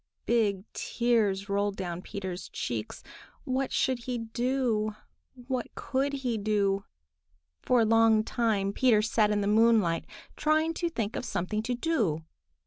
Big tears rolled down Peter's cheeks. What should he do? What could he do? For a long time Peter sat in the moonlight, trying to think of something to do.